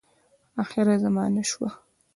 آخره زمانه سوه .